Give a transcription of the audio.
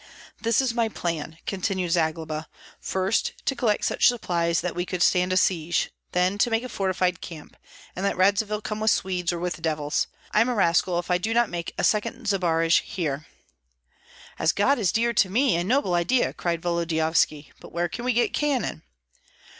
"This is my plan," continued Zagloba: "first to collect such supplies that we could stand a siege, then to make a fortified camp, and let Radzivill come with Swedes or with devils. I'm a rascal if I do not make a second Zbaraj here!" "As God is dear to me, a noble idea!" cried Volodyovski; "but where can we get cannon?"